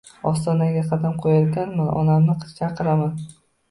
Ostonaga qadam qo‘yarkanman, Onamni chaqiraman